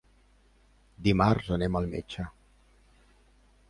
Dimarts anem al metge.